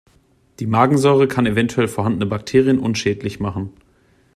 Die Magensäure kann eventuell vorhandene Bakterien unschädlich machen.